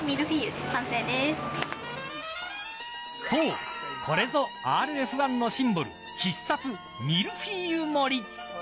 そうこれぞＲＦ−１のシンボル必殺、ミルフィーユ盛り。